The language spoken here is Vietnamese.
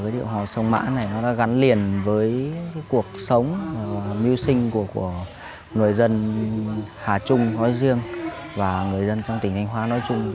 điệu hò sông mã này nó đã gắn liền với cuộc sống mưu sinh của người dân hà trung nói riêng và người dân trong tỉnh thanh hóa nói chung